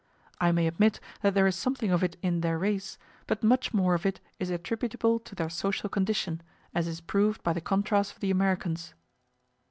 I may admit that there is something of it in their race, but much more of it is attributable to their social condition, as is proved by the contrast of the Americans.